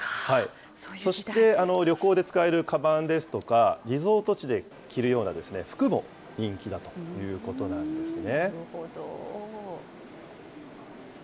そして、旅行で使えるかばんですとか、リゾート地で着るような服も人気だということなんですね。